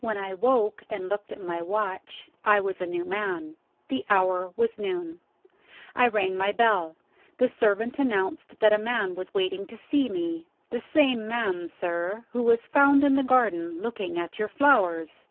When I woke, and looked at my watch, I was a new man. The hour was noon. I rang my bell. The servant announced that a man was waiting to see me. "The same man, sir, who was found in the garden, looking at your flowers."